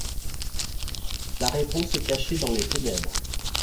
La réponse est cachée dans les ténèbres.